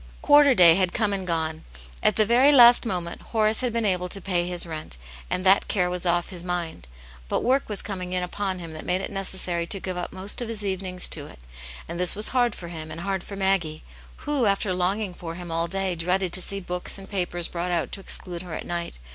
Quarter day had come and gone. At the very last moment Horace had been able to pay his rent, and that care was off his mind. But work was coming in upon him that made it necessary to give up most of his evenings to it, and this was hard for him and hard for Maggie, who, after longing for him all day, dreaded to see books and papers brought out to exclude her at night.